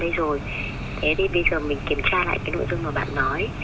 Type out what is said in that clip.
thế nên bây giờ mình kiểm tra lại cái nội dung mà bạn nói